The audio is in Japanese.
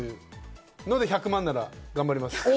１００万なら頑張ります。